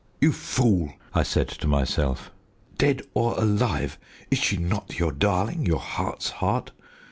"You fool!" I said to myself; "dead or alive, is she not your darling, your heart's heart?